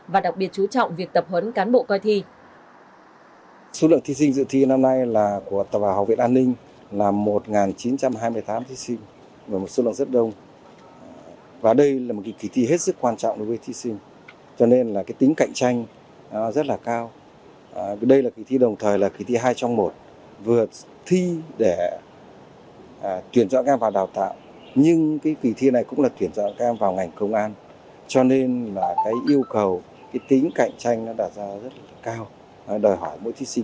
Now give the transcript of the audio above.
và đặc biệt chú trọng việc tập hấn cán bộ coi thi